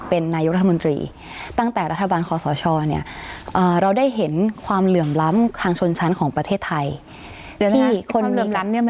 เป็นนายุทธมนตรีตั้งแต่รัฐบาลคอสอช่อเนี่ย